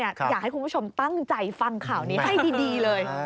อยากให้คุณผู้ชมตั้งใจฟังข่าวนี้ให้ดีเลย